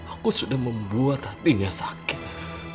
aku sudah membuat hatinya sakit